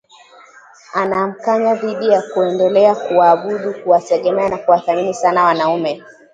Anamkanya dhidi ya kuendelea kuwaabudu, kuwategemea na kuwathamini sana wanaume